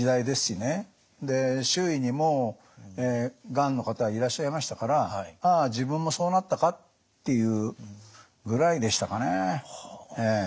周囲にもがんの方いらっしゃいましたから「ああ自分もそうなったか」っていうぐらいでしたかね。